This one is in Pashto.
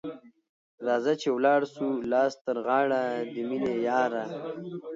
راځه چي ولاړ سو لاس تر غاړه ، د میني یاره